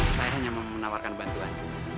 saya hanya menawarkan bantuan